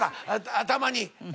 頭に。